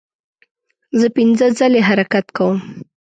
زه پنځه ځلې حرکت کوم.